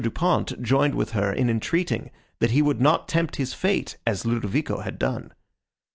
Du Pont joined with her in entreating, that he would not tempt his fate, as Ludovico had done.